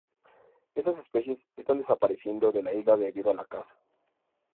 Estas especies están desapareciendo de la isla debido a la caza.